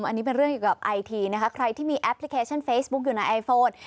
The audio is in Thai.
อันนี้เป็นเรื่องเกี่ยวกับไอทีนะคะใครที่มีแอปพลิเคชันเฟซบุ๊กอยู่ในไอโฟน